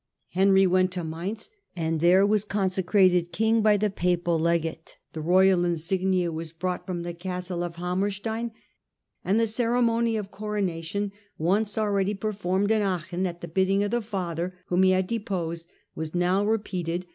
Henry went to Mainz, and there was consecrated king by the papal legate; the royal insignia were brought Coronation ^^^*^® castlo of Hammerstoiu and the cere jL^^^sT" ^^^y of coronation, once already performed ^^^ in Aachen at the bidding of the father whom he had deposed, was now repeated.